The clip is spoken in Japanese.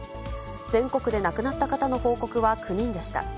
全国で亡くなった方の報告は９人でした。